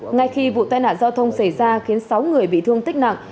ngay khi vụ tai nạn giao thông xảy ra khiến sáu người bị thương tích nặng